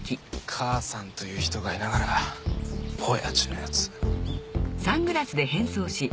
母さんという人がいながら親父のやつ。